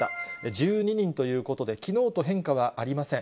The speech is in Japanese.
１２人ということで、きのうと変化はありません。